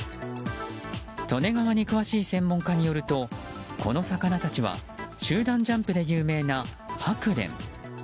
利根川に詳しい専門家によるとこの魚たちは集団ジャンプで有名なハクレン。